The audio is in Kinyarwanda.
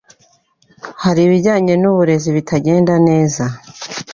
hari ibijyanye n’uburezi bitagenda neza